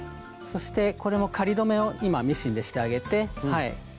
そしてこれも仮留めを今ミシンでしてあげて。